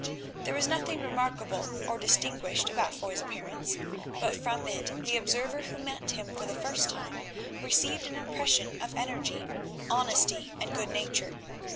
There was nothing remarkable or distinguished about Foy's appearance, but from it the observer, who met him for the first time, received an impression of energy, honesty, and good nature.